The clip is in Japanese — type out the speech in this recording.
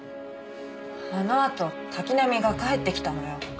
あのあと滝浪が帰ってきたのよ。